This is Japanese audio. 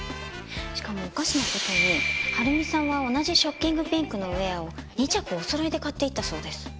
しかもおかしな事に晴美さんは同じショッキングピンクのウェアを２着おそろいで買っていったそうです。